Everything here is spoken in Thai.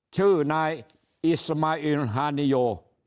ชื่อนายอิสมาอินฮานิโย